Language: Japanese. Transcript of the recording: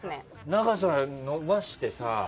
長さ伸ばしてさ。